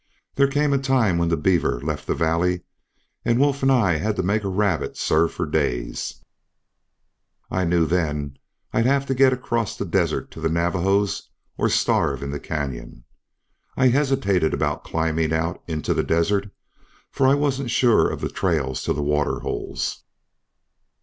There came a time when the beaver left the valley, and Wolf and I had to make a rabbit serve for days. I knew then I'd have to get across the desert to the Navajos or starve in the canyon. I hesitated about climbing out into the desert, for I wasn't sure of the trail to the waterholes.